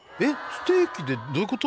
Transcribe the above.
ステーキでどういうこと？